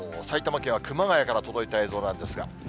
埼玉県は熊谷から届いた映像なんですが。